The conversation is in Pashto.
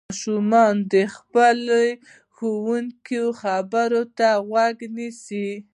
ماشومان د خپلو ښوونکو خبرو ته غوږ نيسي.